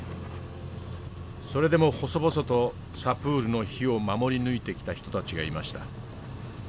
それでも細々とサプールの火を守り抜いてきた人たちがいました。